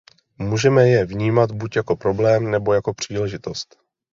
Můžeme je vnímat buď jako problém, nebo jako příležitost.